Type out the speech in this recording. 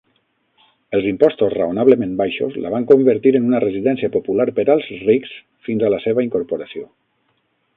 Els impostos raonablement baixos la van convertir en una residència popular per als rics fins a la seva incorporació.